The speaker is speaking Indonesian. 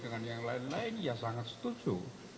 dengan yang lain lain ya sangat setuju